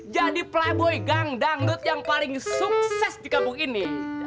jadi playboy gang dangdut yang paling sukses dikabung ini